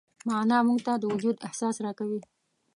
معنی موږ ته د وجود احساس راکوي.